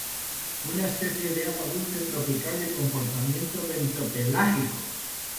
Es una especie de agua dulce tropical de comportamiento bentopelágico.